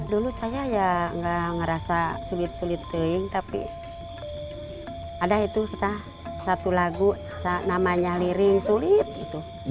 dulu saya ya nggak ngerasa sulit sulit puing tapi ada itu kita satu lagu namanya liring sulit gitu